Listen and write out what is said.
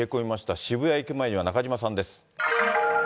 渋谷駅前には中島さんです。